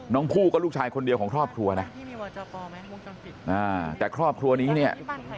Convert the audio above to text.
ผู้ก็ลูกชายคนเดียวของครอบครัวนะแต่ครอบครัวนี้เนี่ย